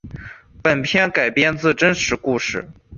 本片改编自真实故事。